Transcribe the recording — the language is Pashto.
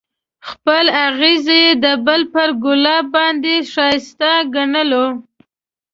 خپل اغزی یې د بل پر ګلاب باندې ښایسته ګڼلو.